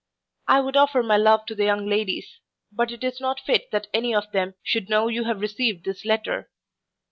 I would offer my love to the young ladies; but it is not fit that any of them should know you have received this letter.